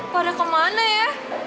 kok ada kemana ya